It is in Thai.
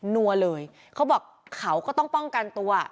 นัวเลยเขาบอกเขาก็ต้องป้องกันตัว